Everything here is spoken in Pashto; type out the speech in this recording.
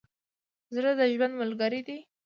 زړه د ژوند ملګری دی.